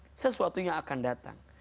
masa depan sesuatunya akan datang